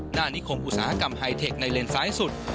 หน้านิคมอุตสาหกรรมไฮเทคในเลนซ้ายสุด